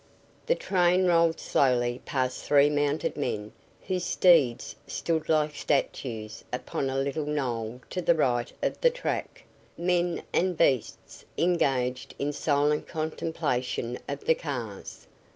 The train rolled slowly past three mounted men whose steeds stood like statues upon a little knoll to the right of the track, men and beasts engaged in silent contemplation of the cars.